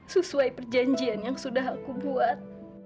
sesuai perjanjian yang sudah aku buat